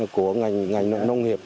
của ngành nông nghiệp